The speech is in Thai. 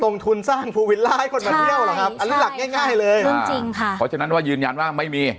ตรงทุนสร้างหุวิลล่าให้คนมาเตี่ยวหรือจำนันว่าถึงว่ายืนยัดว่างไม่มี